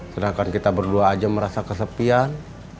sedangkan kita berdua aja merasa kesepian